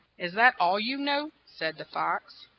"Is that all you know?" said the fox.